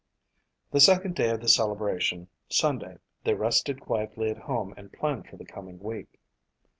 The second day of the celebration, Sunday, they rested quietly at home and planned for the coming week.